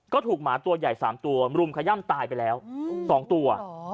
ก็ถูกหมาตัวใหญ่๓ตัวรุมขย่ำตายไปแล้ว๒ตัว